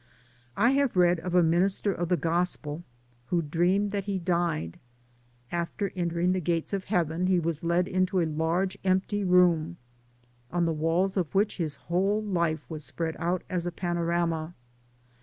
I have read of a minister of the Grospel "who dreamed that he died; after entering the gates of Heaven he was led into a large empty room, on the walls of which his whole life was spread out as a panorama.